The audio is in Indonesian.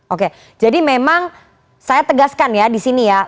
oke jadi memang saya tegaskan ya di sini ya